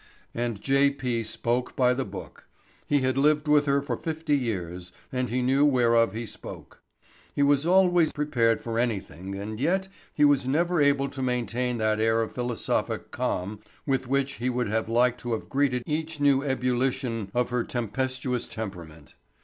And J. P. spoke by the book. He had lived with her for fifty years and he knew whereof he spoke. He was always prepared for anything and yet he was never able to maintain that air of philosophic calm with which he would have liked to have greeted each new ebullition of her tempestuous temperament.